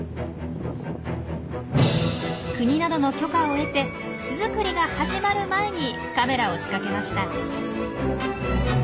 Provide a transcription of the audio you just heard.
国などの許可を得て巣作りが始まる前にカメラを仕掛けました。